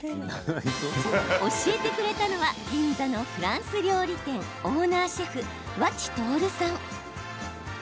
教えてくれたのは銀座のフランス料理店オーナーシェフ、和知徹さん。